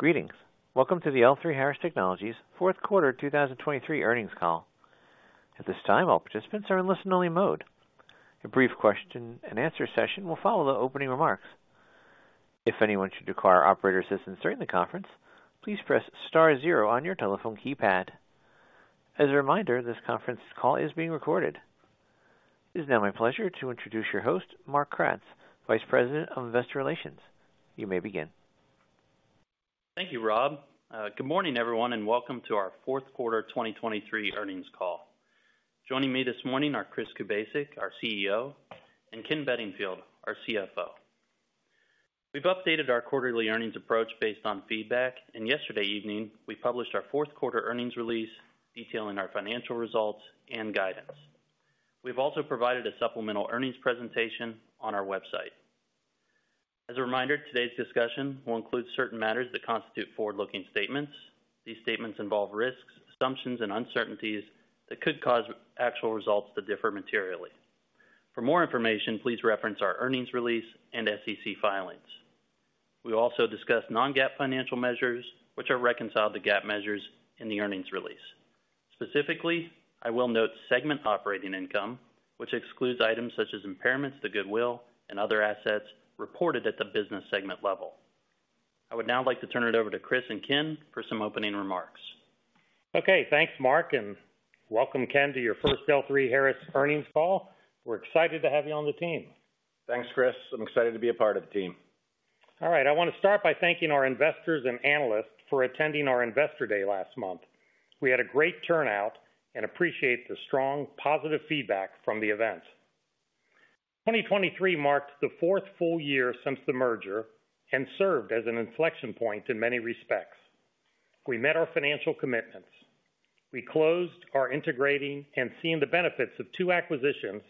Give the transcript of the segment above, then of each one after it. Greetings! Welcome to the L3Harris Technologies fourth quarter 2023 earnings call. At this time, all participants are in listen-only mode. A brief question-and-answer session will follow the opening remarks. If anyone should require operator assistance during the conference, please press star zero on your telephone keypad. As a reminder, this conference call is being recorded. It is now my pleasure to introduce your host, Mark Kratz, Vice President of Investor Relations. You may begin. Thank you, Rob. Good morning, everyone, and welcome to our fourth quarter 2023 earnings call. Joining me this morning are Chris Kubasik, our CEO, and Ken Bedingfield, our CFO. We've updated our quarterly earnings approach based on feedback, and yesterday evening, we published our fourth quarter earnings release, detailing our financial results and guidance. We've also provided a supplemental earnings presentation on our website. As a reminder, today's discussion will include certain matters that constitute forward-looking statements. These statements involve risks, assumptions, and uncertainties that could cause actual results to differ materially. For more information, please reference our earnings release and SEC filings. We'll also discuss non-GAAP financial measures, which are reconciled to GAAP measures in the earnings release. Specifically, I will note segment operating income, which excludes items such as impairments to goodwill and other assets reported at the business segment level. I would now like to turn it over to Chris and Ken for some opening remarks. Okay, thanks, Mark, and welcome, Ken, to your first L3Harris earnings call. We're excited to have you on the team. Thanks, Chris. I'm excited to be a part of the team. All right. I wanna start by thanking our investors and analysts for attending our Investor Day last month. We had a great turnout and appreciate the strong, positive feedback from the event. 2023 marked the fourth full year since the merger and served as an inflection point in many respects. We met our financial commitments. We closed our integration and are seeing the benefits of two acquisitions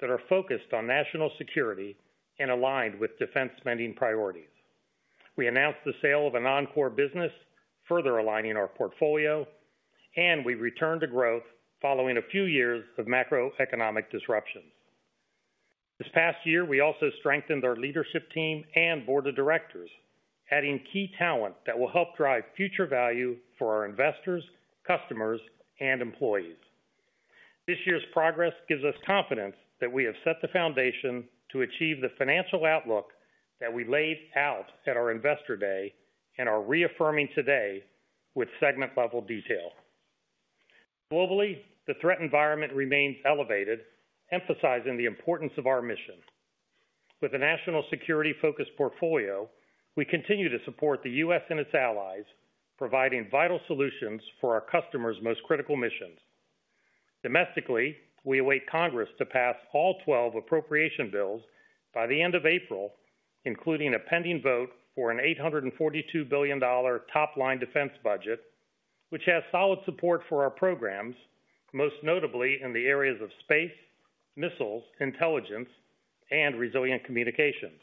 that are focused on national security and aligned with defense spending priorities. We announced the sale of a non-core business, further aligning our portfolio, and we returned to growth following a few years of macroeconomic disruptions. This past year, we also strengthened our leadership team and board of directors, adding key talent that will help drive future value for our investors, customers, and employees. This year's progress gives us confidence that we have set the foundation to achieve the financial outlook that we laid out at our Investor Day and are reaffirming today with segment-level detail. Globally, the threat environment remains elevated, emphasizing the importance of our mission. With a national security-focused portfolio, we continue to support the U.S. and its allies, providing vital solutions for our customers' most critical missions. Domestically, we await Congress to pass all 12 appropriation bills by the end of April, including a pending vote for an $842 billion top-line defense budget, which has solid support for our programs, most notably in the areas of space, missiles, intelligence, and resilient communications.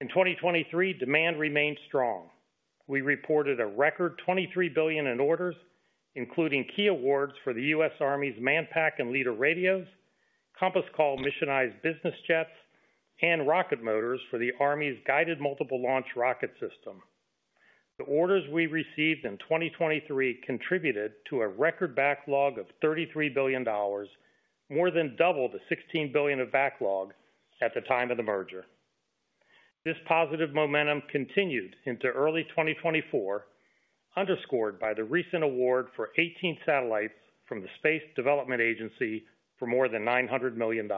In 2023, demand remained strong. We reported a record $23 billion in orders, including key awards for the U.S. Army's Manpack and Leader radios, Compass Call missionized business jets, and rocket motors for the Army's Guided Multiple Launch Rocket System. The orders we received in 2023 contributed to a record backlog of $33 billion, more than double the $16 billion of backlog at the time of the merger. This positive momentum continued into early 2024, underscored by the recent award for 18 satellites from the Space Development Agency for more than $900 million.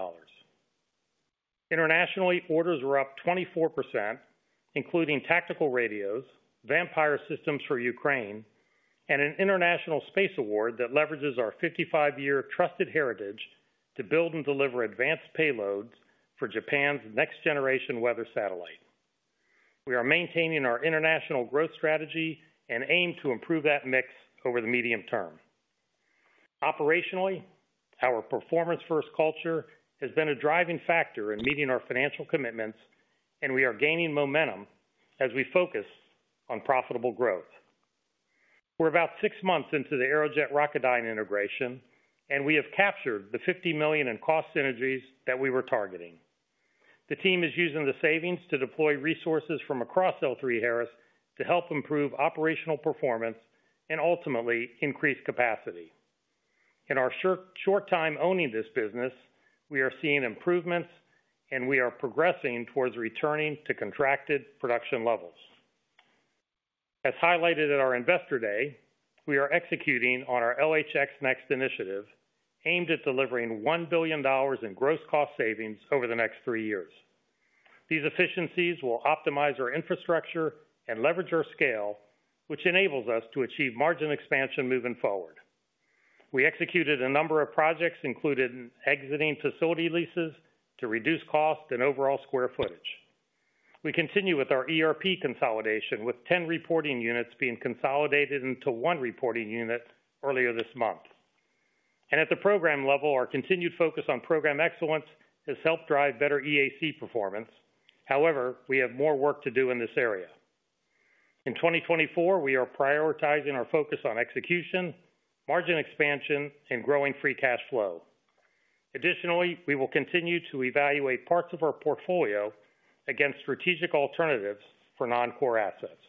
Internationally, orders were up 24%, including tactical radios, VAMPIRE systems for Ukraine, and an international space award that leverages our 55-year trusted heritage to build and deliver advanced payloads for Japan's next-generation weather satellite. We are maintaining our international growth strategy and aim to improve that mix over the medium term. Operationally, our performance-first culture has been a driving factor in meeting our financial commitments, and we are gaining momentum as we focus on profitable growth. We're about six months into the Aerojet Rocketdyne integration, and we have captured the $50 million in cost synergies that we were targeting. The team is using the savings to deploy resources from across L3Harris to help improve operational performance and ultimately increase capacity. In our short time owning this business, we are seeing improvements, and we are progressing towards returning to contracted production levels. As highlighted at our Investor Day, we are executing on our LHX NeXt initiative, aimed at delivering $1 billion in gross cost savings over the next three years. These efficiencies will optimize our infrastructure and leverage our scale, which enables us to achieve margin expansion moving forward. We executed a number of projects, including exiting facility leases to reduce cost and overall square footage. We continue with our ERP consolidation, with 10 reporting units being consolidated into one reporting unit earlier this month. At the program level, our continued focus on program excellence has helped drive better EAC performance. However, we have more work to do in this area. In 2024, we are prioritizing our focus on execution, margin expansion, and growing free cash flow. Additionally, we will continue to evaluate parts of our portfolio against strategic alternatives for non-core assets.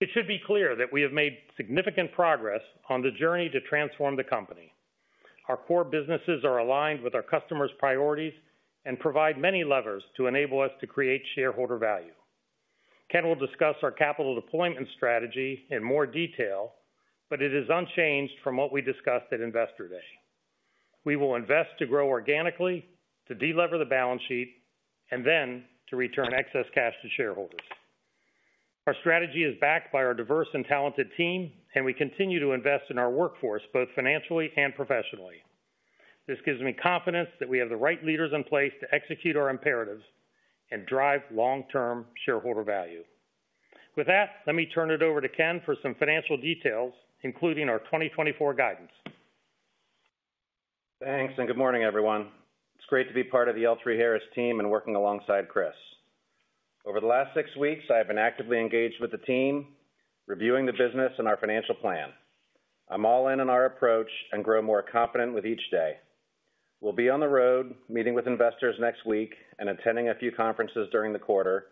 It should be clear that we have made significant progress on the journey to transform the company. Our core businesses are aligned with our customers' priorities and provide many levers to enable us to create shareholder value. Ken will discuss our capital deployment strategy in more detail, but it is unchanged from what we discussed at Investor Day. We will invest to grow organically, to delever the balance sheet, and then to return excess cash to shareholders. Our strategy is backed by our diverse and talented team, and we continue to invest in our workforce, both financially and professionally. This gives me confidence that we have the right leaders in place to execute our imperatives and drive long-term shareholder value. With that, let me turn it over to Ken for some financial details, including our 2024 guidance. Thanks, and good morning, everyone. It's great to be part of the L3Harris team and working alongside Chris. Over the last six weeks, I have been actively engaged with the team, reviewing the business and our financial plan. I'm all in on our approach and grow more confident with each day. We'll be on the road, meeting with investors next week and attending a few conferences during the quarter,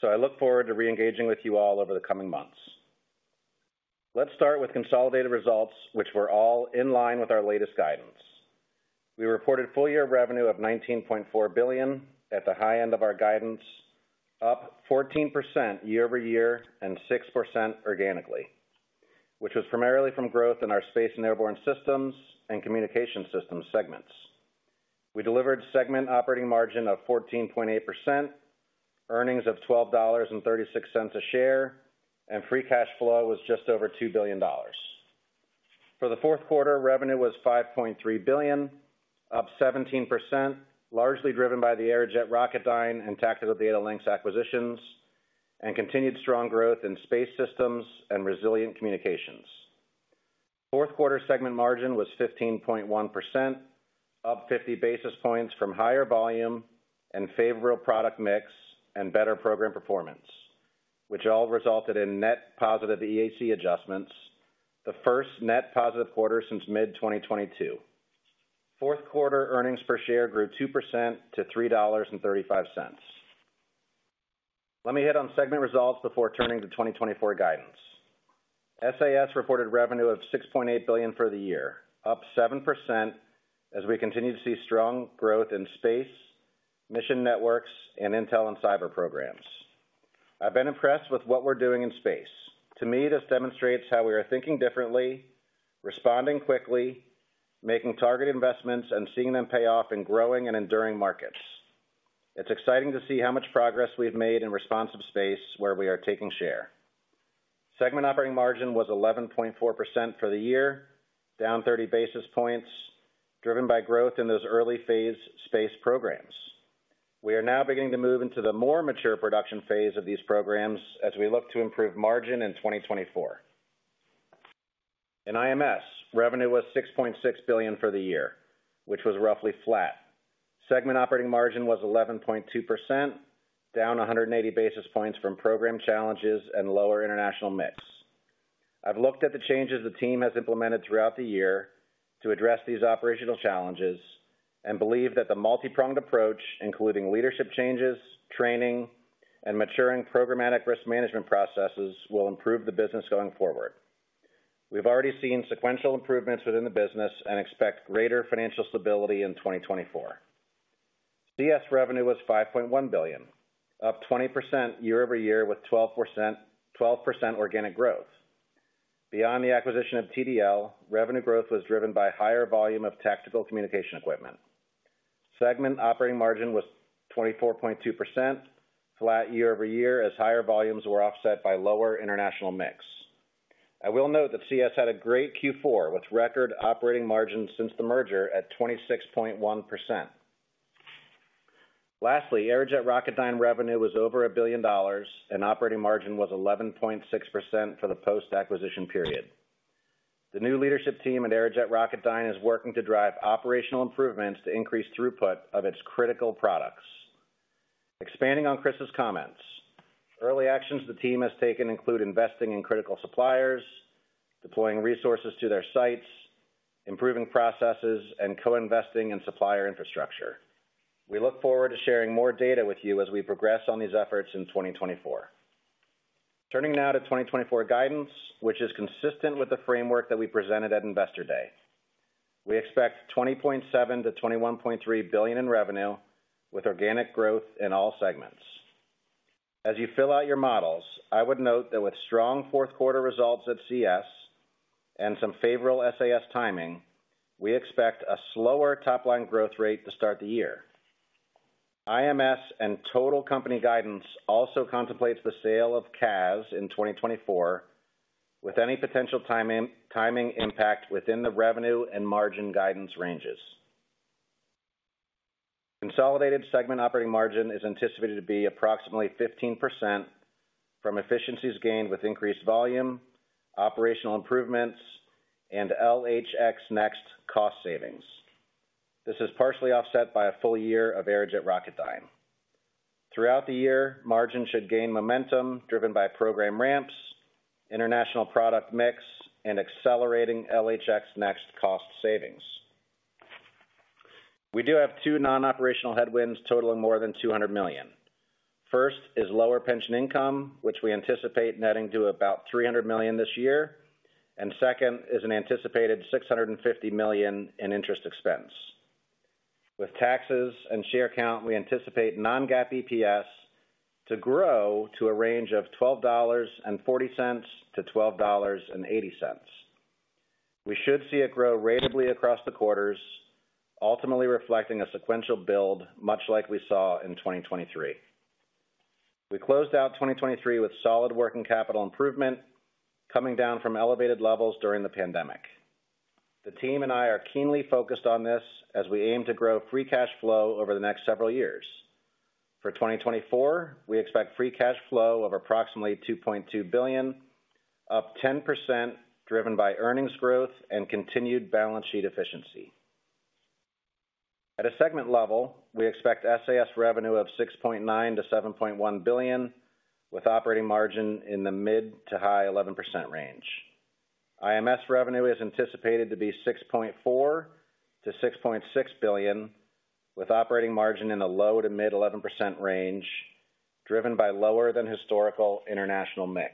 so I look forward to reengaging with you all over the coming months. Let's start with consolidated results, which were all in line with our latest guidance. We reported full year revenue of $19.4 billion at the high end of our guidance, up 14% year-over-year and 6% organically, which was primarily from growth in our space and airborne systems and communication systems segments. We delivered segment operating margin of 14.8%, earnings of $12.36 a share, and free cash flow was just over $2 billion. For the fourth quarter, revenue was $5.3 billion, up 17%, largely driven by the Aerojet Rocketdyne and Tactical Data Links acquisitions, and continued strong growth in space systems and resilient communications. Fourth quarter segment margin was 15.1%, up 50 basis points from higher volume and favorable product mix and better program performance, which all resulted in net positive EAC adjustments, the first net positive quarter since mid-2022. Fourth quarter earnings per share grew 2% to $3.35. Let me hit on segment results before turning to 2024 guidance. SAS reported revenue of $6.8 billion for the year, up 7%, as we continue to see strong growth in space, mission networks, and intel and cyber programs. I've been impressed with what we're doing in space. To me, this demonstrates how we are thinking differently, responding quickly, making target investments, and seeing them pay off in growing and enduring markets. It's exciting to see how much progress we've made in responsive space, where we are taking share. Segment operating margin was 11.4% for the year, down 30 basis points, driven by growth in those early phase space programs. We are now beginning to move into the more mature production phase of these programs as we look to improve margin in 2024. In IMS, revenue was $6.6 billion for the year, which was roughly flat. Segment operating margin was 11.2%, down 180 basis points from program challenges and lower international mix. I've looked at the changes the team has implemented throughout the year to address these operational challenges and believe that the multi-pronged approach, including leadership changes, training, and maturing programmatic risk management processes, will improve the business going forward. We've already seen sequential improvements within the business and expect greater financial stability in 2024. CS revenue was $5.1 billion, up 20% year-over-year, with 12%, 12% organic growth. Beyond the acquisition of TDL, revenue growth was driven by higher volume of tactical communication equipment. Segment operating margin was 24.2%, flat year-over-year, as higher volumes were offset by lower international mix. I will note that CS had a great Q4, with record operating margins since the merger at 26.1%. Lastly, Aerojet Rocketdyne revenue was over $1 billion, and operating margin was 11.6% for the post-acquisition period. The new leadership team at Aerojet Rocketdyne is working to drive operational improvements to increase throughput of its critical products. Expanding on Chris's comments, early actions the team has taken include investing in critical suppliers, deploying resources to their sites, improving processes, and co-investing in supplier infrastructure. We look forward to sharing more data with you as we progress on these efforts in 2024. Turning now to 2024 guidance, which is consistent with the framework that we presented at Investor Day. We expect $20.7 billion-$21.3 billion in revenue, with organic growth in all segments. As you fill out your models, I would note that with strong fourth quarter results at CS and some favorable SAS timing, we expect a slower top-line growth rate to start the year. IMS and total company guidance also contemplates the sale of CAS in 2024, with any potential timing, timing impact within the revenue and margin guidance ranges. Consolidated segment operating margin is anticipated to be approximately 15% from efficiencies gained with increased volume, operational improvements, and LHX NeXt cost savings. This is partially offset by a full year of Aerojet Rocketdyne. Throughout the year, margin should gain momentum, driven by program ramps, international product mix, and accelerating LHX NeXt cost savings. We do have two non-operational headwinds totaling more than $200 million. First is lower pension income, which we anticipate netting to about $300 million this year, and second is an anticipated $650 million in interest expense. With taxes and share count, we anticipate non-GAAP EPS to grow to a range of $12.40-$12.80. We should see it grow ratably across the quarters, ultimately reflecting a sequential build, much like we saw in 2023. We closed out 2023 with solid working capital improvement, coming down from elevated levels during the pandemic. The team and I are keenly focused on this as we aim to grow free cash flow over the next several years. For 2024, we expect free cash flow of approximately $2.2 billion, up 10%, driven by earnings growth and continued balance sheet efficiency. At a segment level, we expect SAS revenue of $6.9 billion-$7.1 billion, with operating margin in the mid- to high-11% range. IMS revenue is anticipated to be $6.4 billion-$6.6 billion, with operating margin in the low- to mid-11% range, driven by lower than historical international mix.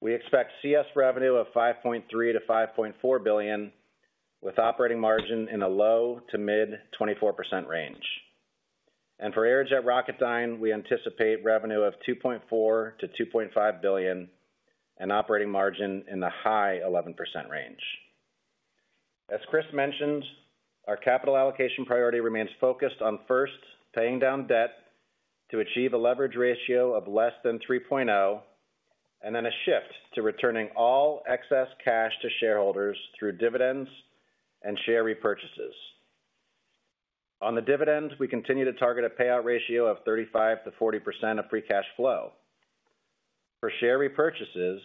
We expect CS revenue of $5.3 billion-$5.4 billion, with operating margin in a low- to mid-24% range. And for Aerojet Rocketdyne, we anticipate revenue of $2.4 billion-$2.5 billion and operating margin in the high-11% range. As Chris mentioned, our capital allocation priority remains focused on first, paying down debt to achieve a leverage ratio of less than 3.0, and then a shift to returning all excess cash to shareholders through dividends and share repurchases. On the dividends, we continue to target a payout ratio of 35%-40% of free cash flow. For share repurchases,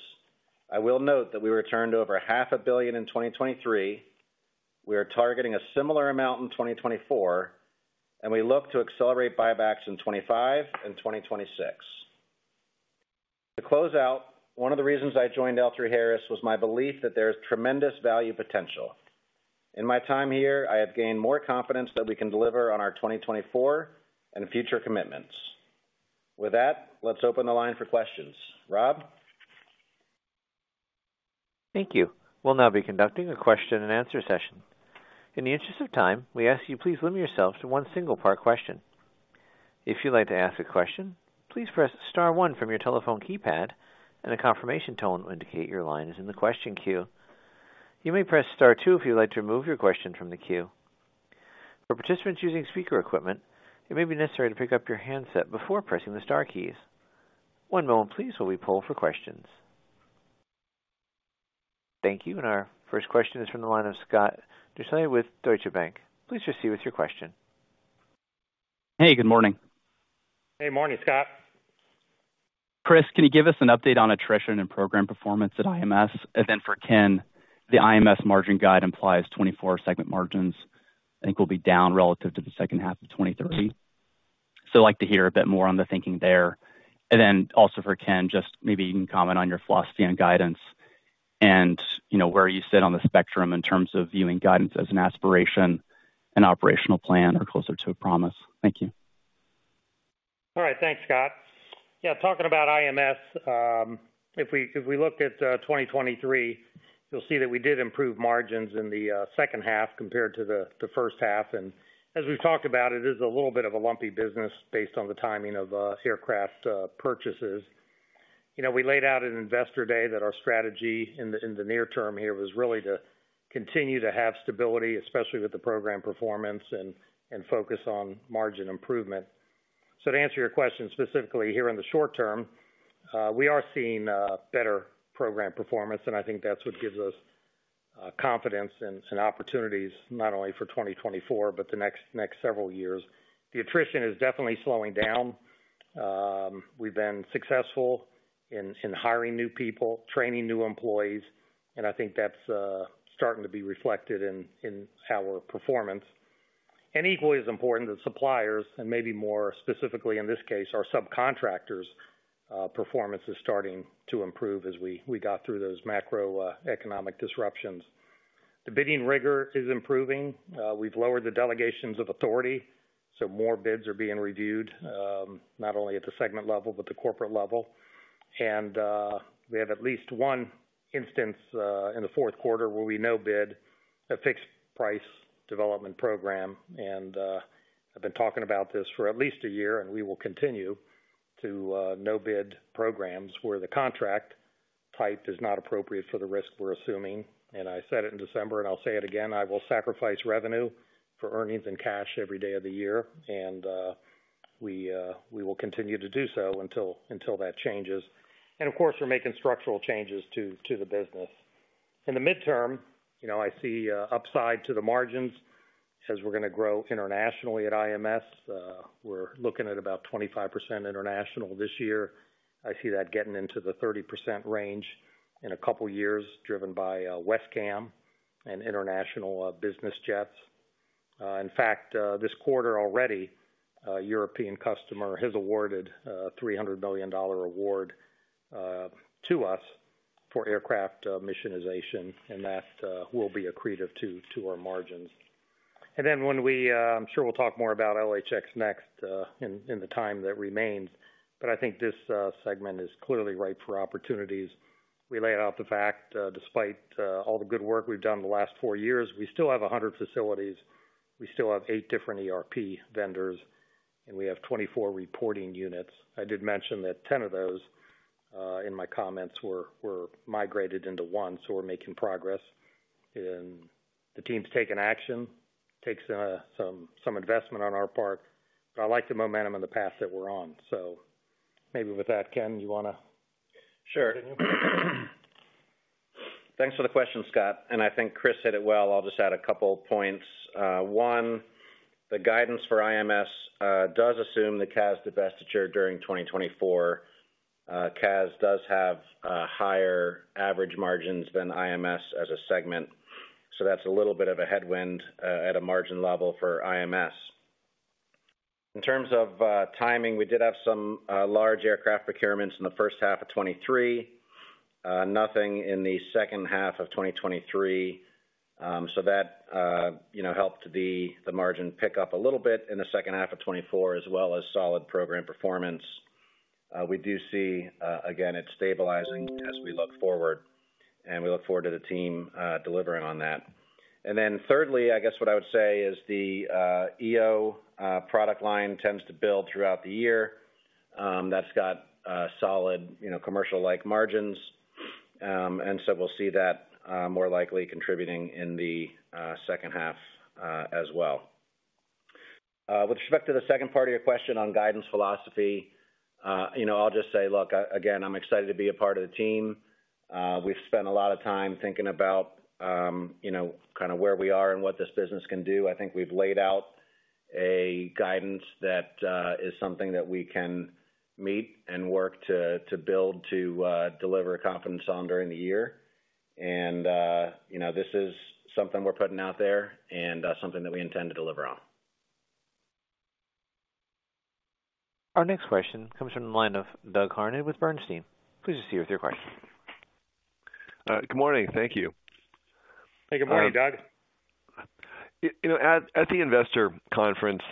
I will note that we returned over $500 million in 2023. We are targeting a similar amount in 2024, and we look to accelerate buybacks in 2025 and 2026. To close out, one of the reasons I joined L3Harris was my belief that there is tremendous value potential. In my time here, I have gained more confidence that we can deliver on our 2024 and future commitments. With that, let's open the line for questions. Rob? Thank you. We'll now be conducting a question and answer session. In the interest of time, we ask you, please limit yourselves to one single part question. If you'd like to ask a question, please press star one from your telephone keypad, and a confirmation tone will indicate your line is in the question queue. You may press star two if you'd like to remove your question from the queue. For participants using speaker equipment, it may be necessary to pick up your handset before pressing the star keys. One moment, please, while we poll for questions. Thank you. And our first question is from the line of Scott Deuschle with Deutsche Bank. Please proceed with your question. Hey, good morning. Hey, morning, Scott. Chris, can you give us an update on attrition and program performance at IMS? And then for Ken, the IMS margin guide implies 24 segment margins, I think will be down relative to the second half of 2023. So I'd like to hear a bit more on the thinking there. And then also for Ken, just maybe you can comment on your philosophy on guidance and, you know, where you sit on the spectrum in terms of viewing guidance as an aspiration, an operational plan, or closer to a promise. Thank you. All right. Thanks, Scott. Yeah, talking about IMS, if we, if we look at 2023, you'll see that we did improve margins in the second half compared to the first half. And as we've talked about, it is a little bit of a lumpy business based on the timing of aircraft purchases. You know, we laid out at Investor Day that our strategy in the near term here was really to continue to have stability, especially with the program performance and focus on margin improvement. So to answer your question, specifically, here in the short term, we are seeing better program performance, and I think that's what gives us confidence and opportunities not only for 2024, but the next several years. The attrition is definitely slowing down. We've been successful in, in hiring new people, training new employees, and I think that's starting to be reflected in, in our performance. Equally as important, the suppliers, and maybe more specifically in this case, our subcontractors, performance is starting to improve as we, we got through those macro, economic disruptions. The bidding rigor is improving. We've lowered the delegations of authority, so more bids are being reviewed, not only at the segment level, but the corporate level. And we have at least one instance in the fourth quarter where we no bid a fixed price development program. And I've been talking about this for at least a year, and we will continue to no bid programs where the contract type is not appropriate for the risk we're assuming. And I said it in December, and I'll say it again: I will sacrifice revenue for earnings and cash every day of the year, and, we, we will continue to do so until, until that changes. And of course, we're making structural changes to, to the business. In the midterm, you know, I see, upside to the margins as we're gonna grow internationally at IMS. We're looking at about 25% international this year. I see that getting into the 30% range in a couple of years, driven by, WESCAM.... and international business jets. In fact, this quarter already, a European customer has awarded a $300 million award to us for aircraft missionization, and that will be accretive to our margins. And then when we, I'm sure we'll talk more about LHX NeXt in the time that remains, but I think this segment is clearly ripe for opportunities. We laid out the fact, despite all the good work we've done in the last 4 years, we still have 100 facilities, we still have 8 different ERP vendors, and we have 24 reporting units. I did mention that 10 of those in my comments were migrated into one, so we're making progress, and the team's taking action. Takes some investment on our part, but I like the momentum and the path that we're on. So maybe with that, Ken, do you wanna- Sure. Thanks for the question, Scott, and I think Chris hit it well. I'll just add a couple points. One, the guidance for IMS does assume the CAS divestiture during 2024. CAS does have higher average margins than IMS as a segment, so that's a little bit of a headwind at a margin level for IMS. In terms of timing, we did have some large aircraft procurements in the first half of 2023, nothing in the second half of 2023. So that you know helped the margin pick up a little bit in the second half of 2024, as well as solid program performance. We do see again it stabilizing as we look forward, and we look forward to the team delivering on that. And then thirdly, I guess what I would say is the EO product line tends to build throughout the year. That's got solid, you know, commercial-like margins. And so we'll see that more likely contributing in the second half as well. With respect to the second part of your question on guidance philosophy, you know, I'll just say, look, again, I'm excited to be a part of the team. We've spent a lot of time thinking about, you know, kind of where we are and what this business can do. I think we've laid out a guidance that is something that we can meet and work to build to deliver confidence on during the year. You know, this is something we're putting out there, and something that we intend to deliver on. Our next question comes from the line of Doug Harned with Bernstein. Please proceed with your question. Good morning. Thank you. Hey, good morning, Doug. You know, at the investor conference,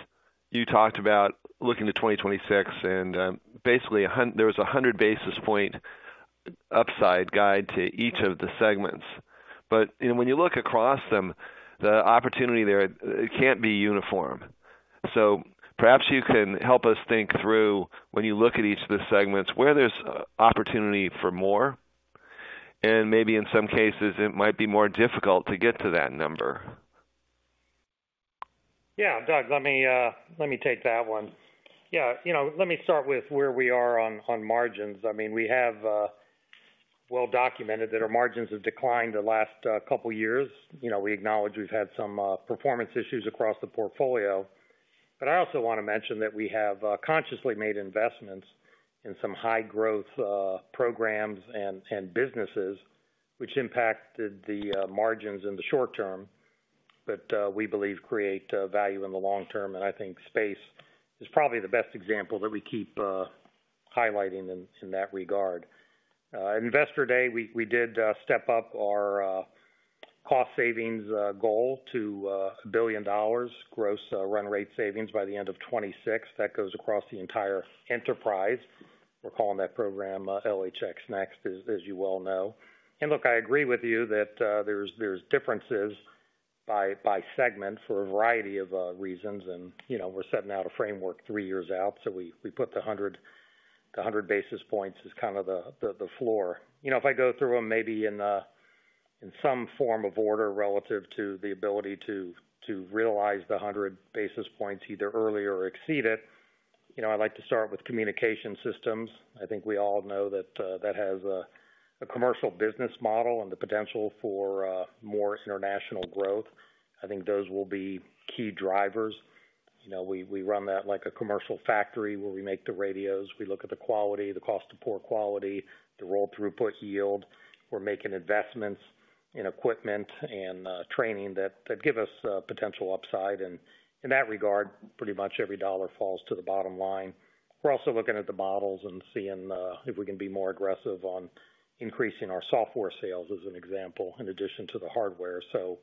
you talked about looking to 2026, and basically, there was a 100 basis point upside guide to each of the segments. But you know, when you look across them, the opportunity there, it can't be uniform. So perhaps you can help us think through, when you look at each of the segments, where there's opportunity for more, and maybe in some cases, it might be more difficult to get to that number? Yeah, Doug, let me take that one. Yeah, you know, let me start with where we are on margins. I mean, we have well documented that our margins have declined the last couple years. You know, we acknowledge we've had some performance issues across the portfolio. But I also want to mention that we have consciously made investments in some high growth programs and businesses, which impacted the margins in the short term, but we believe create value in the long term. And I think space is probably the best example that we keep highlighting in that regard. Investor Day, we did step up our cost savings goal to $1 billion gross run rate savings by the end of 2026. That goes across the entire enterprise. We're calling that program, LHX NeXt, as you well know. And look, I agree with you that, there's differences by segment for a variety of reasons. And, you know, we're setting out a framework three years out, so we put the 100, the 100 basis points as kind of the floor. You know, if I go through them maybe in some form of order relative to the ability to realize the 100 basis points, either early or exceed it, you know, I'd like to start with Communication Systems. I think we all know that that has a commercial business model and the potential for more international growth. I think those will be key drivers. You know, we run that like a commercial factory, where we make the radios. We look at the quality, the cost of poor quality, the roll throughput yield. We're making investments in equipment and training that give us potential upside. And in that regard, pretty much every dollar falls to the bottom line. We're also looking at the models and seeing if we can be more aggressive on increasing our software sales, as an example, in addition to the hardware. So,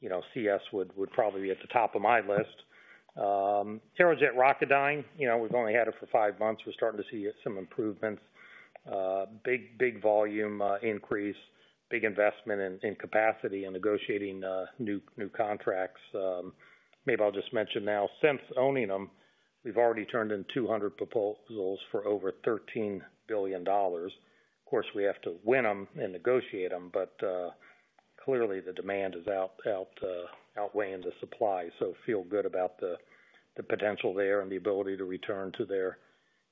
you know, CS would probably be at the top of my list. Aerojet Rocketdyne, you know, we've only had it for five months. We're starting to see some improvements. Big volume increase, big investment in capacity, and negotiating new contracts. Maybe I'll just mention now, since owning them, we've already turned in 200 proposals for over $13 billion. Of course, we have to win them and negotiate them, but clearly the demand is outweighing the supply. So feel good about the potential there and the ability to return to their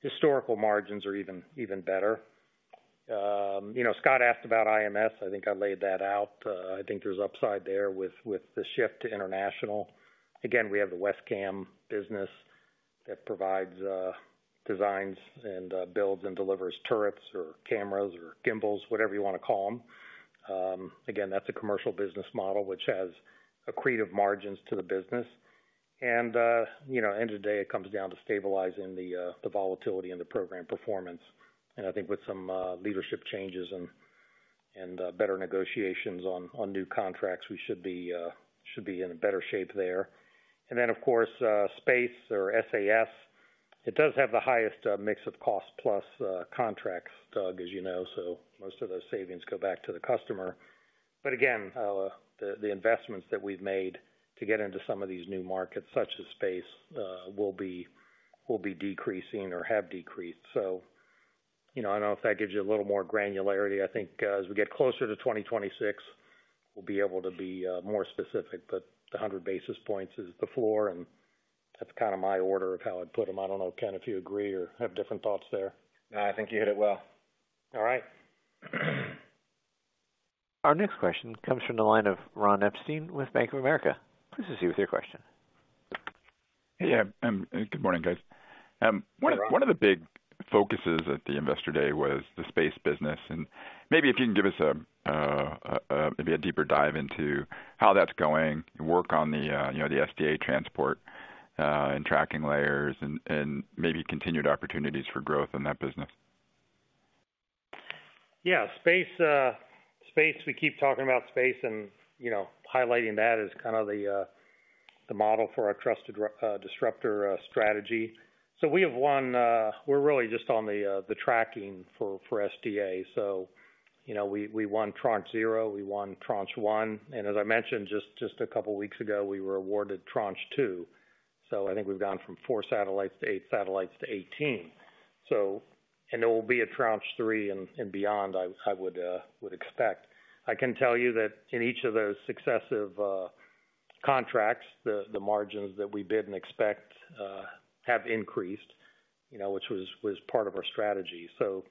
historical margins or even better. You know, Scott asked about IMS. I think I laid that out. I think there's upside there with the shift to international. Again, we have the WESCAM business that provides designs and builds and delivers turrets or cameras or gimbals, whatever you wanna call them. Again, that's a commercial business model, which has accretive margins to the business. And you know, end of the day, it comes down to stabilizing the volatility in the program performance. I think with some leadership changes and better negotiations on new contracts, we should be in a better shape there. And then, of course, space or SAS, it does have the highest mix of cost plus contracts, Doug, as you know, so most of those savings go back to the customer. But again, the investments that we've made to get into some of these new markets, such as space, will be decreasing or have decreased. So, you know, I don't know if that gives you a little more granularity. I think, as we get closer to 2026, we'll be able to be more specific, but the 100 basis points is the floor, and that's kind of my order of how I'd put them. I don't know, Ken, if you agree or have different thoughts there. No, I think you hit it well. All right. Our next question comes from the line of Ron Epstein with Bank of America. Please proceed with your question. Hey, yeah, good morning, guys. One of the big focuses at the Investor Day was the space business, and maybe if you can give us a maybe a deeper dive into how that's going, work on the you know the SDA transport and tracking layers and maybe continued opportunities for growth in that business. Yeah, space, space, we keep talking about space and, you know, highlighting that is kind of the, the model for our trusted disruptor strategy. So we have won, we're really just on the, the tracking for, for SDA. So, you know, we, we won Tranche Zero, we won Tranche One, and as I mentioned, just a couple of weeks ago, we were awarded Tranche Two. So I think we've gone from four satellites to eight satellites to 18. So and there will be a Tranche Three and, and beyond, I, I would, would expect. I can tell you that in each of those successive, contracts, the, the margins that we bid and expect, have increased, you know, which was, was part of our strategy. So,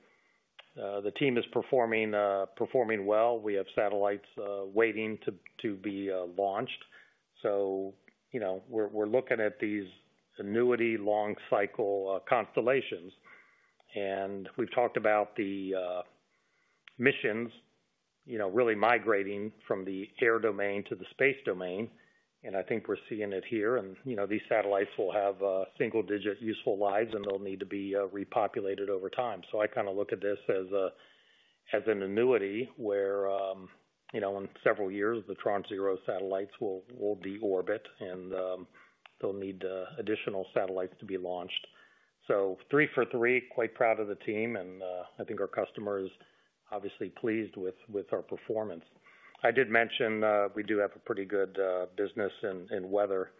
the team is performing, performing well. We have satellites waiting to be launched. So, you know, we're looking at these annuity long cycle constellations. And we've talked about the missions, you know, really migrating from the air domain to the space domain, and I think we're seeing it here. And, you know, these satellites will have single digit useful lives, and they'll need to be repopulated over time. So I kind of look at this as an annuity, where, you know, in several years, the Tranche Zero satellites will deorbit, and they'll need additional satellites to be launched. So three for three, quite proud of the team, and I think our customers, obviously, pleased with our performance. I did mention, we do have a pretty good business in weather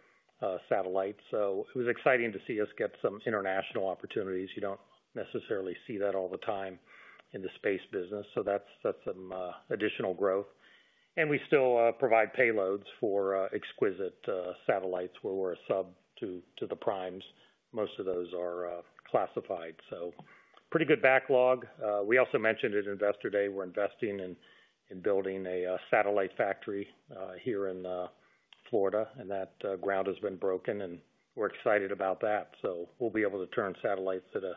satellites, so it was exciting to see us get some international opportunities. You don't necessarily see that all the time in the space business, so that's some additional growth. And we still provide payloads for exquisite satellites, where we're a sub to the primes. Most of those are classified, so pretty good backlog. We also mentioned at Investor Day, we're investing in building a satellite factory here in Florida, and that ground has been broken, and we're excited about that. So we'll be able to turn satellites at a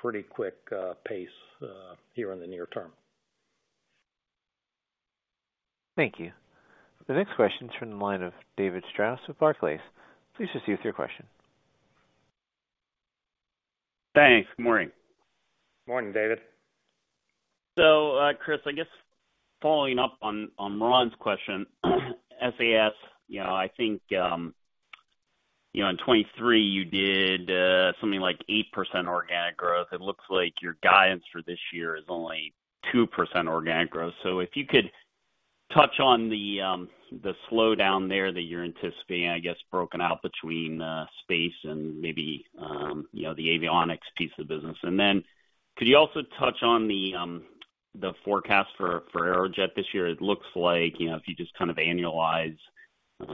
pretty quick pace here in the near term. Thank you. The next question is from the line of David Strauss with Barclays. Please proceed with your question. Thanks. Good morning. Morning, David. So, Chris, I guess following up on, on Ron's question, SAS, you know, I think, you know, in 2023 you did, something like 8% organic growth. It looks like your guidance for this year is only 2% organic growth. So if you could touch on the, the slowdown there that you're anticipating, I guess, broken out between, space and maybe, you know, the avionics piece of the business. And then could you also touch on the, the forecast for, for Aerojet this year? It looks like, you know, if you just kind of annualize, you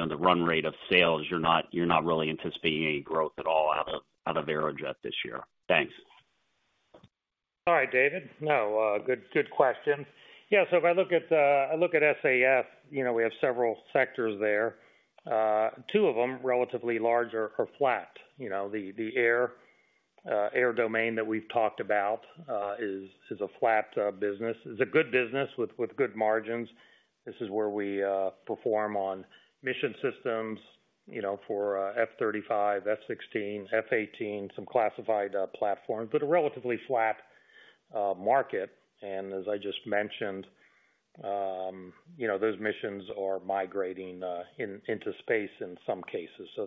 know, the run rate of sales, you're not, you're not really anticipating any growth at all out of, out of Aerojet this year. Thanks. All right, David. No, good question. Yeah, so if I look at, I look at SAS, you know, we have several sectors there. Two of them, relatively larger, are flat. You know, the air domain that we've talked about is a flat business. It's a good business with good margins. This is where we perform on mission systems, you know, for F-35, F-16, F-18, some classified platforms, but a relatively flat market. And as I just mentioned, you know, those missions are migrating into space in some cases. So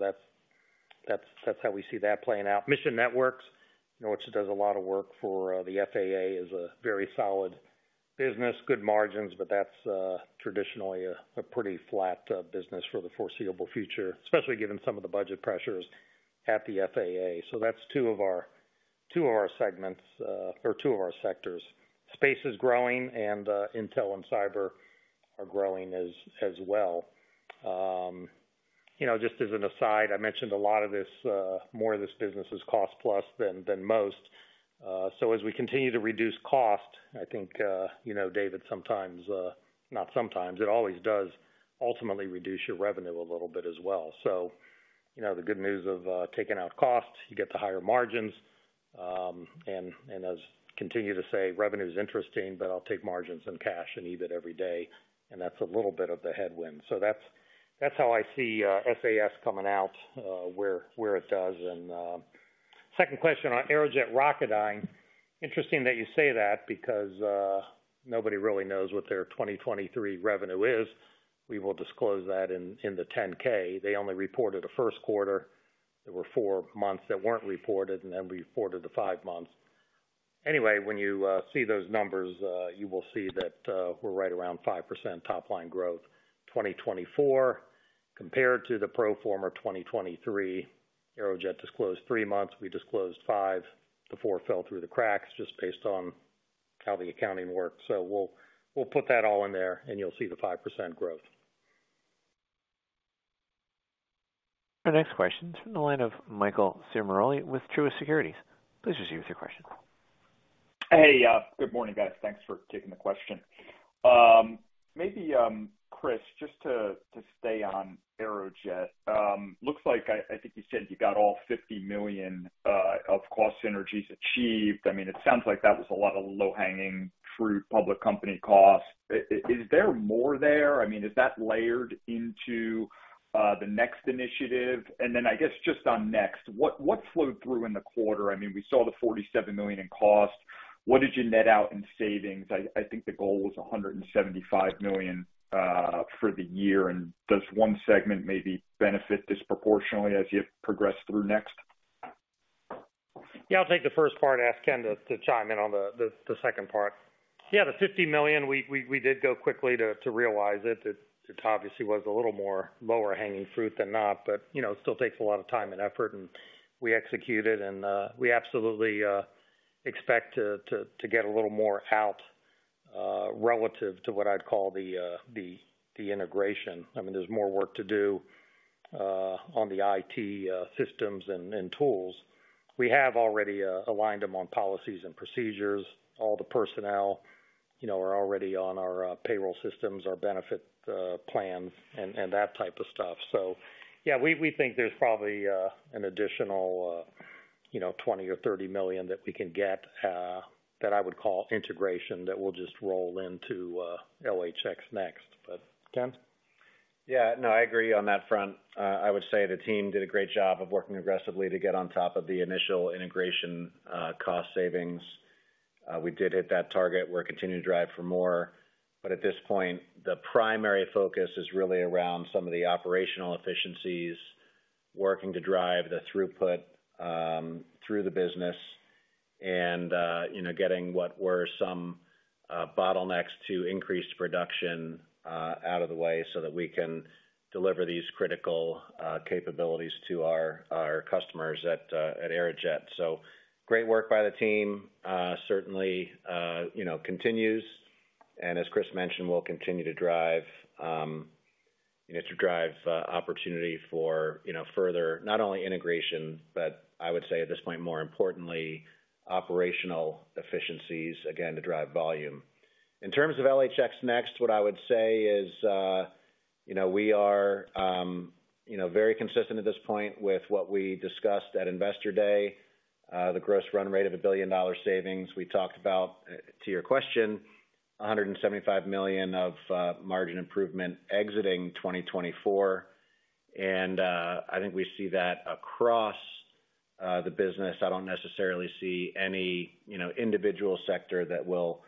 that's how we see that playing out. Mission Networks, which does a lot of work for the FAA, is a very solid business, good margins, but that's traditionally a pretty flat business for the foreseeable future, especially given some of the budget pressures at the FAA. So that's two of our segments, or two of our sectors. Space is growing, and intel and cyber are growing as well. You know, just as an aside, I mentioned a lot of this more of this business is cost plus than most.... so as we continue to reduce cost, I think you know, David, sometimes, not sometimes, it always does ultimately reduce your revenue a little bit as well. So, you know, the good news of taking out costs, you get the higher margins, and, and as continue to say, revenue is interesting, but I'll take margins and cash and EBIT every day, and that's a little bit of the headwind. So that's how I see SAS coming out where it does. And second question on Aerojet Rocketdyne. Interesting that you say that because nobody really knows what their 2023 revenue is. We will disclose that in the 10-K. They only reported a first quarter. There were four months that weren't reported, and then we reported the five months. Anyway, when you see those numbers, you will see that we're right around 5% top line growth, 2024, compared to the pro forma 2023. Aerojet disclosed three months, we disclosed five. The four fell through the cracks just based on how the accounting works. So we'll put that all in there, and you'll see the 5% growth. The next question is from the line of Michael Ciarmoli with Truist Securities. Please proceed with your question. Hey, good morning, guys. Thanks for taking the question. Maybe, Chris, just to stay on Aerojet. Looks like I think you said you got all $50 million of cost synergies achieved. I mean, it sounds like that was a lot of low-hanging fruit, public company costs. Is there more there? I mean, is that layered into the next initiative? And then I guess, just on Next, what flowed through in the quarter? I mean, we saw the $47 million in cost. What did you net out in savings? I think the goal was $175 million for the year. And does one segment maybe benefit disproportionately as you progress through Next? Yeah, I'll take the first part and ask Ken to chime in on the second part. Yeah, the $50 million, we did go quickly to realize it. It obviously was a little more lower hanging fruit than not, but you know, it still takes a lot of time and effort, and we executed, and we absolutely expect to get a little more out relative to what I'd call the integration. I mean, there's more work to do on the IT systems and tools. We have already aligned them on policies and procedures. All the personnel, you know, are already on our payroll systems, our benefit plans and that type of stuff. So yeah, we think there's probably an additional, you know, $20 million or $30 million that we can get, that I would call integration, that will just roll into LHX NeXt. But Ken? Yeah, no, I agree on that front. I would say the team did a great job of working aggressively to get on top of the initial integration, cost savings. We did hit that target. We're continuing to drive for more, but at this point, the primary focus is really around some of the operational efficiencies, working to drive the throughput through the business and, you know, getting what were some bottlenecks to increased production out of the way, so that we can deliver these critical capabilities to our customers at Aerojet. So great work by the team. Certainly, you know, continues, and as Chris mentioned, we'll continue to drive, you know, to drive opportunity for, you know, further, not only integration, but I would say at this point, more importantly, operational efficiencies, again, to drive volume. In terms of LHX NeXt, what I would say is, you know, we are, you know, very consistent at this point with what we discussed at Investor Day. The gross run rate of a billion-dollar savings. We talked about, to your question, $175 million of margin improvement exiting 2024, and, I think we see that across, the business. I don't necessarily see any, you know, individual sector that will,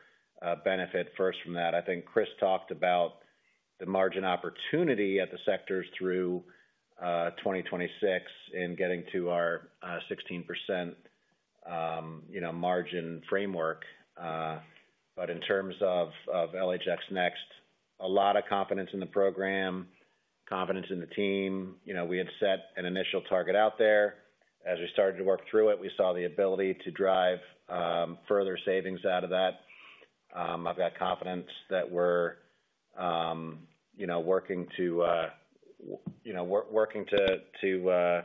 benefit first from that. I think Chris talked about the margin opportunity at the sectors through 2026 in getting to our 16% you know margin framework. But in terms of LHX NeXt, a lot of confidence in the program, confidence in the team. You know, we had set an initial target out there. As we started to work through it, we saw the ability to drive further savings out of that. I've got confidence that we're you know working to you know working to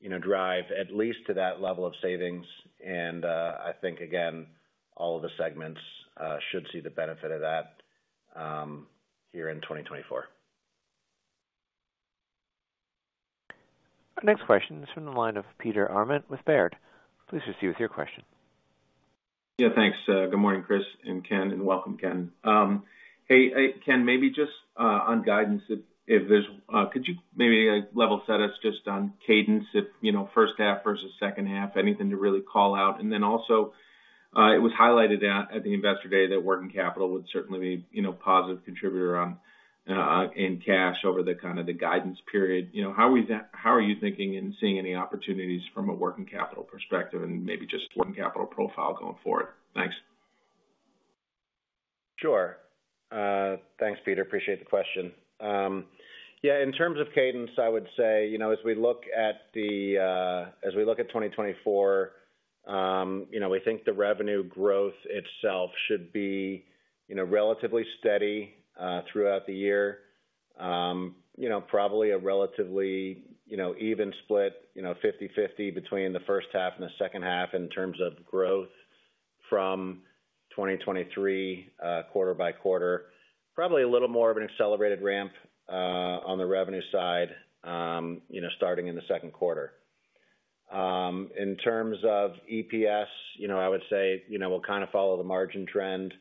you know drive at least to that level of savings. And I think again, all of the segments should see the benefit of that here in 2024. Our next question is from the line of Peter Arment with Baird. Please proceed with your question. Yeah, thanks. Good morning, Chris and Ken, and welcome, Ken. Hey, Ken, maybe just on guidance, if there's - could you maybe level set us just on cadence if, you know, first half versus second half, anything to really call out? And then also, it was highlighted at the Investor Day that working capital would certainly be, you know, a positive contributor on in cash over the kind of the guidance period. You know, how is that - how are you thinking and seeing any opportunities from a working capital perspective and maybe just working capital profile going forward? Thanks. Sure. Thanks, Peter. Appreciate the question. Yeah, in terms of cadence, I would say, you know, as we look at the, as we look at 2024, you know, we think the revenue growth itself should be, you know, relatively steady, throughout the year. You know, probably a relatively, you know, even split, you know, 50/50 between the first half and the second half in terms of growth from 2023, quarter by quarter. Probably a little more of an accelerated ramp, on the revenue side, you know, starting in the second quarter. In terms of EPS, you know, I would say, you know, we'll kind of follow the margin trend.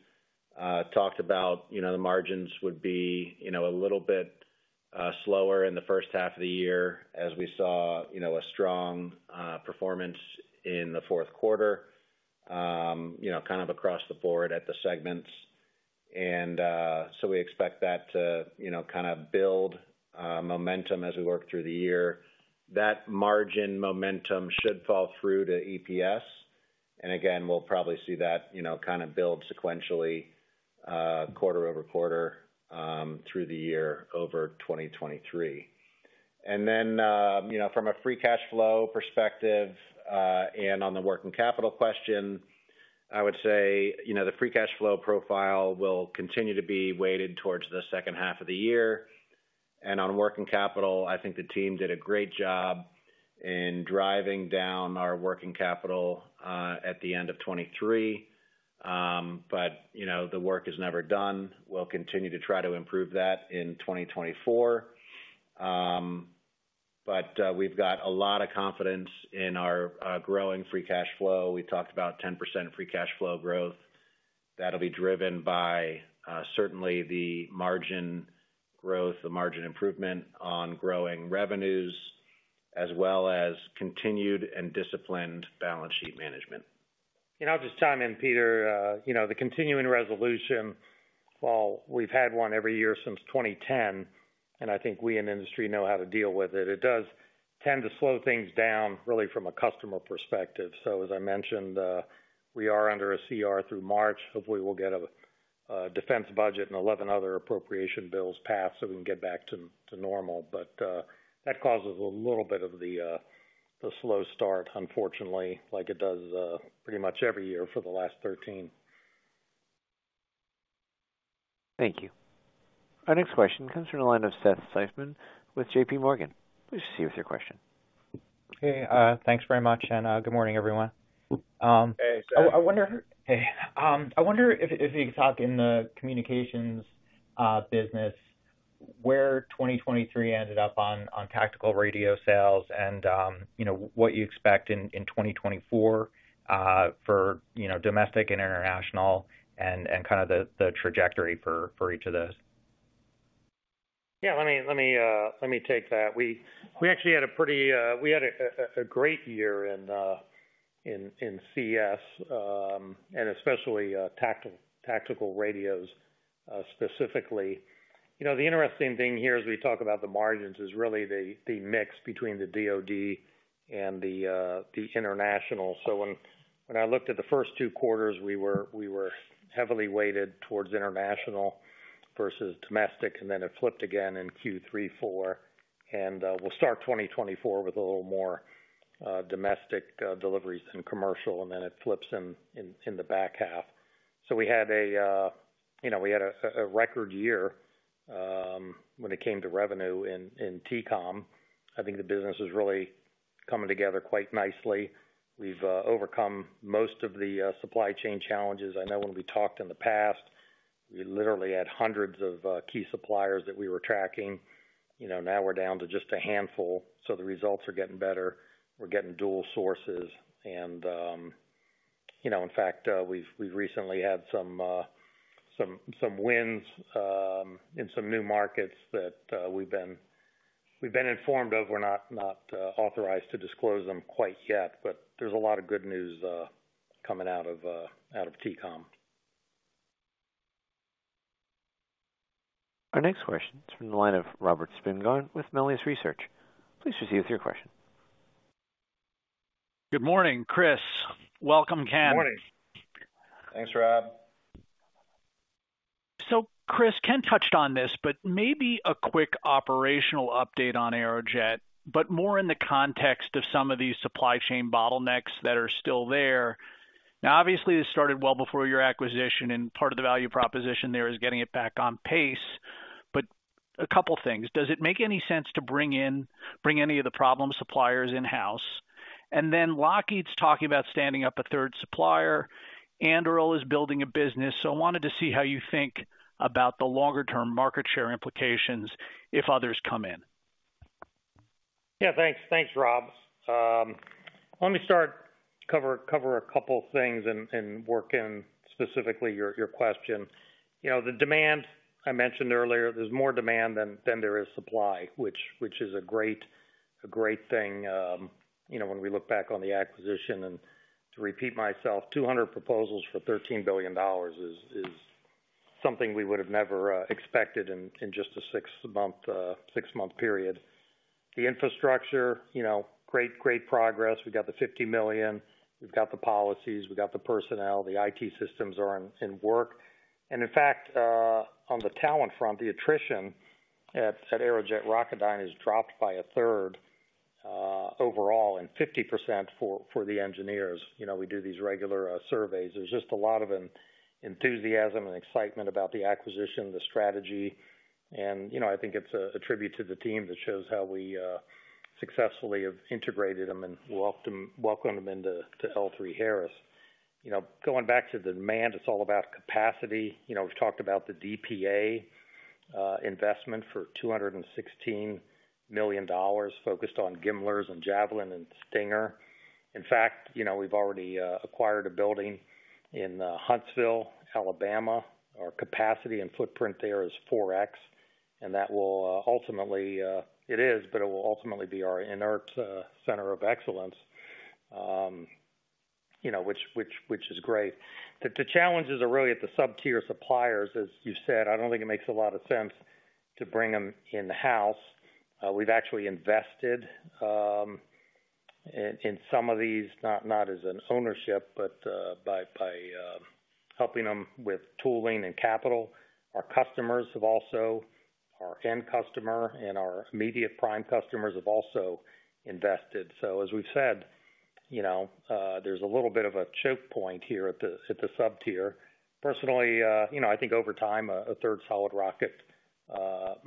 Talked about, you know, the margins would be, you know, a little bit slower in the first half of the year as we saw, you know, a strong performance in the fourth quarter, you know, kind of across the board at the segments. And so we expect that to, you know, kind of build momentum as we work through the year. That margin momentum should fall through to EPS, and again, we'll probably see that, you know, kind of build sequentially quarter-over-quarter through the year over 2023. And then, you know, from a free cash flow perspective, and on the working capital question, I would say, you know, the free cash flow profile will continue to be weighted towards the second half of the year. On working capital, I think the team did a great job in driving down our working capital at the end of 2023. You know, the work is never done. We'll continue to try to improve that in 2024. We've got a lot of confidence in our growing free cash flow. We talked about 10% free cash flow growth. That'll be driven by certainly the margin growth, the margin improvement on growing revenues, as well as continued and disciplined balance sheet management. I'll just chime in, Peter. You know, the Continuing Resolution, while we've had one every year since 2010, and I think we in the industry know how to deal with it, it does tend to slow things down, really, from a customer perspective. So as I mentioned, we are under a CR through March. Hopefully, we'll get a defense budget and 11 other appropriation bills passed so we can get back to normal. But that causes a little bit of the slow start, unfortunately, like it does pretty much every year for the last 13. Thank you. Our next question comes from the line of Seth Seifman with J.P. Morgan. Please proceed with your question. Hey, thanks very much, and, good morning, everyone. Hey, Seth. Hey, I wonder if you can talk in the communications business, where 2023 ended up on tactical radio sales and, you know, what you expect in 2024 for, you know, domestic and international and kind of the trajectory for each of those? Yeah, let me take that. We actually had a pretty great year in CS, and especially tactical radios, specifically. You know, the interesting thing here, as we talk about the margins, is really the mix between the DoD and the international. So when I looked at the first two quarters, we were heavily weighted towards international versus domestic, and then it flipped again in Q3 and Q4. And we'll start 2024 with a little more domestic deliveries than commercial, and then it flips in the back half. So we had a record year when it came to revenue in TCOM. I think the business is really coming together quite nicely. We've overcome most of the supply chain challenges. I know when we talked in the past, we literally had hundreds of key suppliers that we were tracking. You know, now we're down to just a handful, so the results are getting better. We're getting dual sources and, you know, in fact, we've recently had some wins in some new markets that we've been informed of. We're not authorized to disclose them quite yet, but there's a lot of good news coming out of TCOM. Our next question is from the line of Robert Spingarn with Melius Research. Please proceed with your question. Good morning, Chris. Welcome, Ken. Good morning. Thanks, Rob. So, Chris, Ken touched on this, but maybe a quick operational update on Aerojet, but more in the context of some of these supply chain bottlenecks that are still there. Now, obviously, this started well before your acquisition, and part of the value proposition there is getting it back on pace. But a couple things: Does it make any sense to bring in, bring any of the problem suppliers in-house? And then Lockheed's talking about standing up a third supplier. Anduril is building a business. So I wanted to see how you think about the longer-term market share implications if others come in? Yeah, thanks. Thanks, Rob. Let me start, cover a couple things and work in specifically your question. You know, the demand, I mentioned earlier, there's more demand than there is supply, which is a great thing. You know, when we look back on the acquisition and to repeat myself, 200 proposals for $13 billion is something we would have never expected in just a six-month period. The infrastructure, you know, great progress. We've got the $50 million. We've got the policies, we've got the personnel, the IT systems are in work. And in fact, on the talent front, the attrition at Aerojet Rocketdyne has dropped by a third overall, and 50% for the engineers. You know, we do these regular surveys. There's just a lot of enthusiasm and excitement about the acquisition, the strategy, and, you know, I think it's a tribute to the team that shows how we successfully have integrated them and welcomed, welcomed them into to L3Harris. You know, going back to the demand, it's all about capacity. You know, we've talked about the DPA investment for $216 million, focused on GMLRS and Javelin and Stinger. In fact, you know, we've already acquired a building in Huntsville, Alabama. Our capacity and footprint there is 4x, and that will ultimately be our inert center of excellence, you know, which is great. The challenges are really at the sub-tier suppliers, as you said. I don't think it makes a lot of sense to bring them in-house. We've actually invested in some of these, not as an ownership, but by helping them with tooling and capital. Our customers have also, our end customer and our immediate prime customers, have also invested. So as we've said, you know, there's a little bit of a choke point here at the sub-tier. Personally, you know, I think over time, a third solid rocket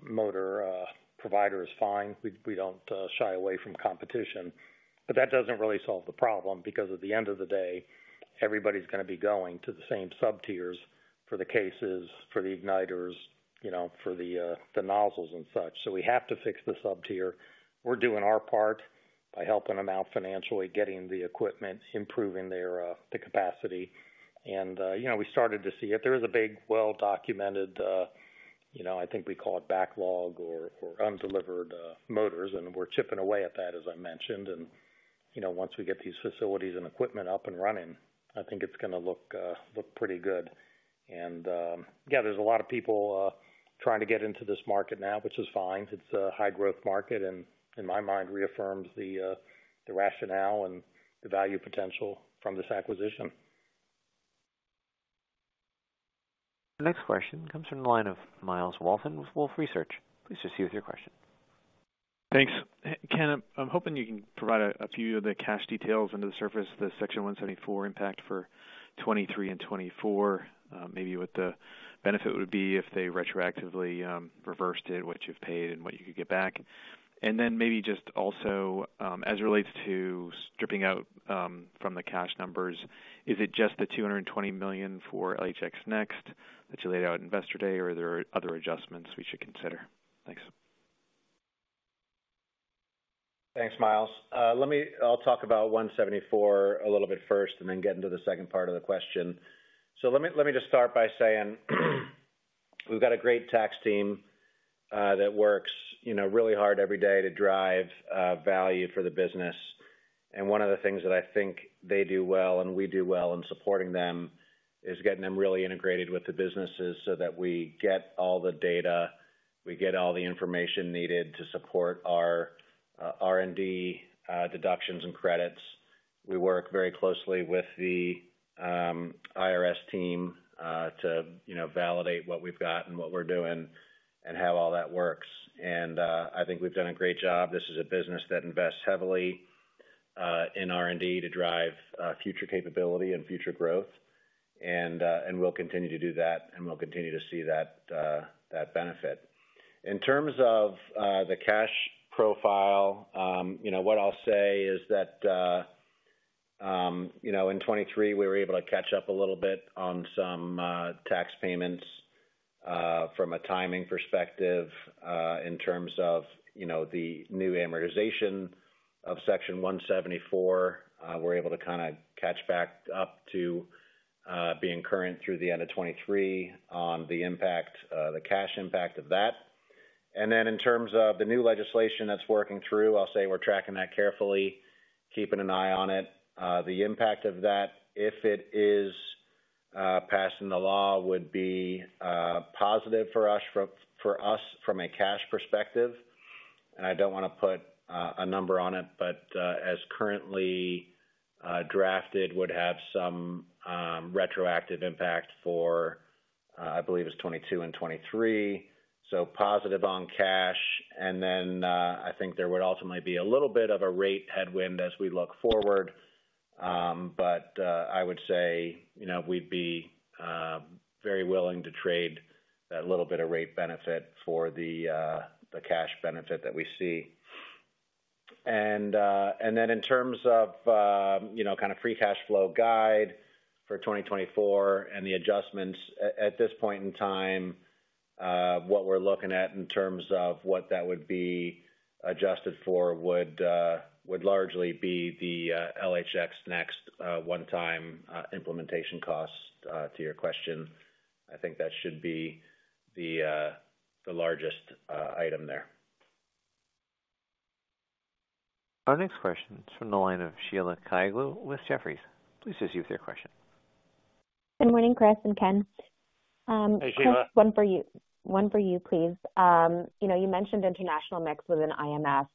motor provider is fine. We don't shy away from competition, but that doesn't really solve the problem, because at the end of the day, everybody's gonna be going to the same sub-tiers for the cases, for the igniters, you know, for the nozzles and such. So we have to fix the sub-tier. We're doing our part by helping them out financially, getting the equipment, improving their capacity. And, you know, we started to see it. There is a big, well-documented, you know, I think we call it backlog or undelivered motors, and we're chipping away at that, as I mentioned. And, you know, once we get these facilities and equipment up and running, I think it's gonna look pretty good. And, yeah, there's a lot of people trying to get into this market now, which is fine. It's a high growth market, and in my mind, reaffirms the rationale and the value potential from this acquisition. The next question comes from the line of Myles Walton with Wolfe Research. Please just use your question. Thanks. Ken, I'm hoping you can provide a few of the cash details under the surface, the Section 174 impact for 2023 and 2024. Maybe what the benefit would be if they retroactively reversed it, what you've paid and what you could get back. And then maybe just also, as it relates to stripping out, from the cash numbers, is it just the $220 million for LHX NeXt that you laid out at Investor Day, or are there other adjustments we should consider? Thanks. Thanks, Myles. Let me talk about 174 a little bit first, and then get into the second part of the question. So let me just start by saying, we've got a great tax team that works, you know, really hard every day to drive value for the business. And one of the things that I think they do well, and we do well in supporting them, is getting them really integrated with the businesses so that we get all the data, we get all the information needed to support our R&D deductions and credits. We work very closely with the IRS team to, you know, validate what we've got and what we're doing and how all that works. And I think we've done a great job. This is a business that invests heavily in R&D to drive future capability and future growth. And we'll continue to do that, and we'll continue to see that benefit. In terms of the cash profile, you know, what I'll say is that, you know, in 2023, we were able to catch up a little bit on some tax payments from a timing perspective. In terms of, you know, the new amortization of Section 174, we're able to kind of catch back up to being current through the end of 2023 on the impact, the cash impact of that. And then in terms of the new legislation that's working through, I'll say we're tracking that carefully, keeping an eye on it. The impact of that, if it is passed in the law, would be positive for us, for us from a cash perspective. And I don't wanna put a number on it, but as currently drafted, would have some retroactive impact for, I believe it's 2022 and 2023. So positive on cash. And then, I think there would ultimately be a little bit of a rate headwind as we look forward. But I would say, you know, we'd be very willing to trade that little bit of rate benefit for the cash benefit that we see. And then in terms of, you know, kind of free cash flow guide for 2024 and the adjustments, at this point in time, what we're looking at in terms of what that would be adjusted for would largely be the LHX NeXt one-time implementation cost, to your question. I think that should be the largest item there. Our next question is from the line of Sheila Kahyaoglu with Jefferies. Please proceed with your question. Good morning, Chris and Ken. Hey, Sheila. Chris, one for you. One for you, please. You know, you mentioned international mix within IMS.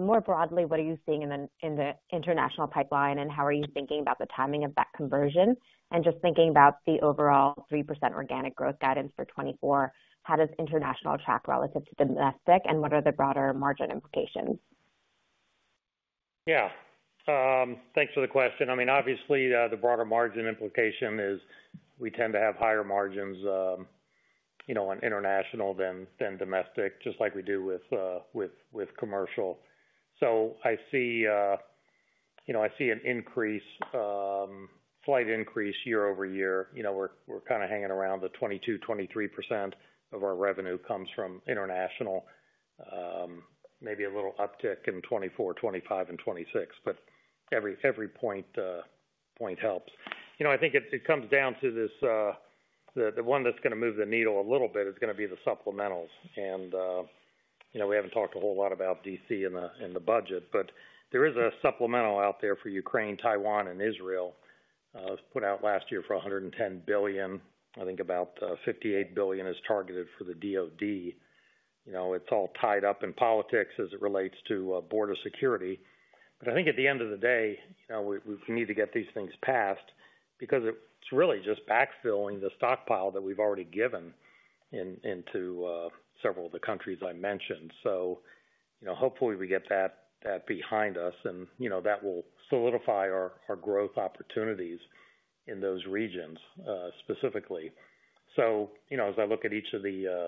More broadly, what are you seeing in the international pipeline, and how are you thinking about the timing of that conversion? And just thinking about the overall 3% organic growth guidance for 2024, how does international track relative to domestic, and what are the broader margin implications? Yeah. Thanks for the question. I mean, obviously, the broader margin implication is we tend to have higher margins, you know, on international than, than domestic, just like we do with, with, with commercial. So I see, you know, I see an increase, slight increase year-over-year. You know, we're, we're kind of hanging around the 22%-23% of our revenue comes from international. Maybe a little uptick in 2024, 2025 and 2026, but every, every point, point helps. You know, I think it, it comes down to this, the, the one that's gonna move the needle a little bit is gonna be the supplementals. You know, we haven't talked a whole lot about D.C. in the budget, but there is a supplemental out there for Ukraine, Taiwan, and Israel, put out last year for $110 billion. I think about $58 billion is targeted for the DoD. You know, it's all tied up in politics as it relates to border security. But I think at the end of the day, we need to get these things passed because it's really just backfilling the stockpile that we've already given into several of the countries I mentioned. So, you know, hopefully, we get that behind us, and you know, that will solidify our growth opportunities in those regions, specifically. So, you know, as I look at each of the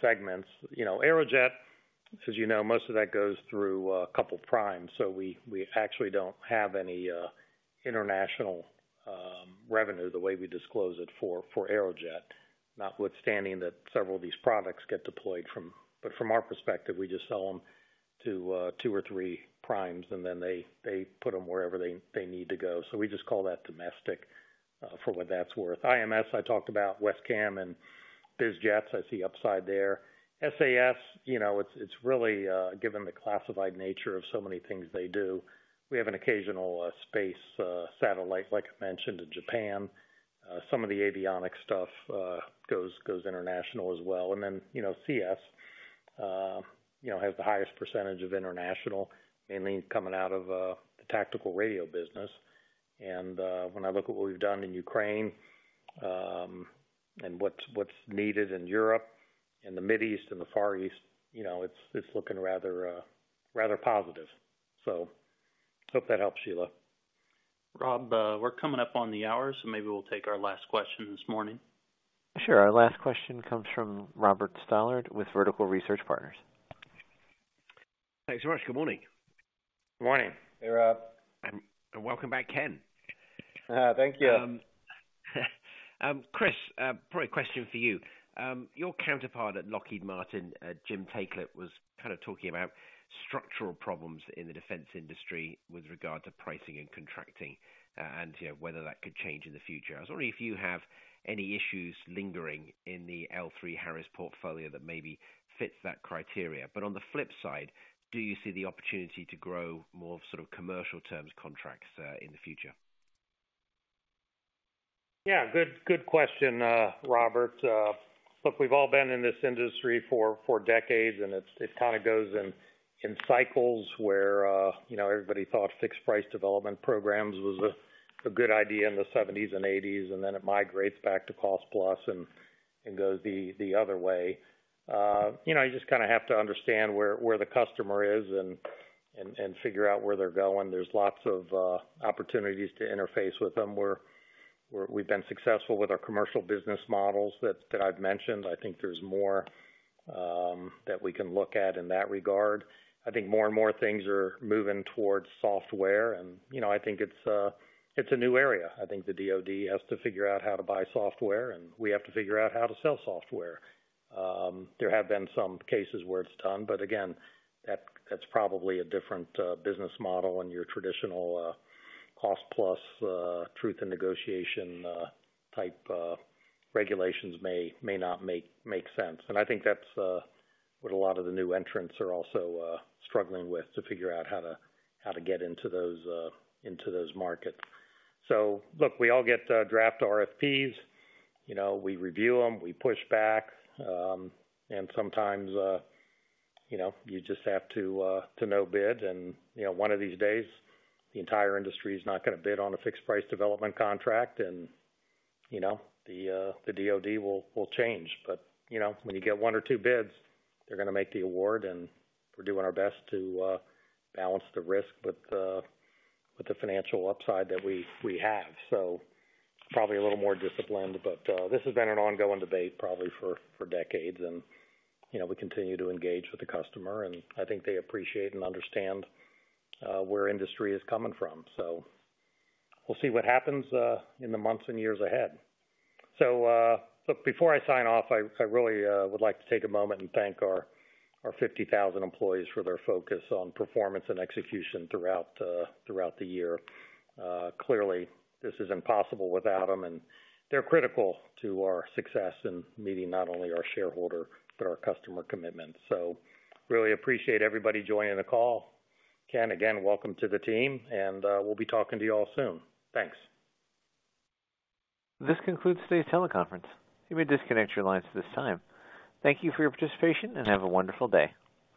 segments, you know, Aerojet, as you know, most of that goes through a couple primes. So we actually don't have any international revenue, the way we disclose it for Aerojet, notwithstanding that several of these products get deployed from. But from our perspective, we just sell them to two or three primes, and then they put them wherever they need to go. So we just call that domestic, for what that's worth. IMS, I talked about WESCAM, and there's jets I see upside there. SAS, you know, it's really given the classified nature of so many things they do, we have an occasional space satellite, like I mentioned, in Japan. Some of the avionics stuff goes international as well. And then, you know, CS, you know, has the highest percentage of international, mainly coming out of the tactical radio business. And when I look at what we've done in Ukraine, and what's, what's needed in Europe and the Middle East and the Far East, you know, it's, it's looking rather, rather positive. So hope that helps, Sheila. Rob, we're coming up on the hour, so maybe we'll take our last question this morning. Sure. Our last question comes from Robert Stallard with Vertical Research Partners. Thanks very much. Good morning. Good morning. Hey, Rob. Welcome back, Ken. Thank you. Chris, probably a question for you. Your counterpart at Lockheed Martin, Jim Taiclet, was kind of talking about structural problems in the defense industry with regard to pricing and contracting, and, you know, whether that could change in the future. I was wondering if you have any issues lingering in the L3Harris portfolio that maybe fits that criteria. But on the flip side, do you see the opportunity to grow more sort of commercial terms contracts in the future? Yeah, good, good question, Robert. Look, we've all been in this industry for decades, and it's. It kind of goes in cycles where, you know, everybody thought fixed price development programs was a good idea in the 1970s and 1980s, and then it migrates back to cost plus and goes the other way. You know, you just kind of have to understand where the customer is and figure out where they're going. There's lots of opportunities to interface with them, where we've been successful with our commercial business models that I've mentioned. I think there's more that we can look at in that regard. I think more and more things are moving towards software, and, you know, I think it's a new area. I think the DoD has to figure out how to buy software, and we have to figure out how to sell software. There have been some cases where it's done, but again, that's probably a different business model, and your traditional cost plus truth and negotiation type regulations may not make sense. And I think that's what a lot of the new entrants are also struggling with, to figure out how to get into those markets. So look, we all get draft RFPs, you know, we review them, we push back, and sometimes, you know, you just have to no bid. You know, one of these days, the entire industry is not gonna bid on a fixed price development contract, and, you know, the DoD will change. But, you know, when you get one or two bids, they're gonna make the award, and we're doing our best to balance the risk with the financial upside that we have. So probably a little more disciplined, but this has been an ongoing debate probably for decades and, you know, we continue to engage with the customer, and I think they appreciate and understand where industry is coming from. So we'll see what happens in the months and years ahead. So, look, before I sign off, I really would like to take a moment and thank our 50,000 employees for their focus on performance and execution throughout the year. Clearly, this is impossible without them, and they're critical to our success in meeting not only our shareholder, but our customer commitments. So really appreciate everybody joining the call. Ken, again, welcome to the team, and we'll be talking to you all soon. Thanks. This concludes today's teleconference. You may disconnect your lines at this time. Thank you for your participation, and have a wonderful day.